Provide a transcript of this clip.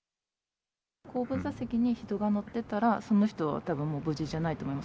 後部座席に人が乗っていたら、その人はたぶん、もう無事じゃないと思います。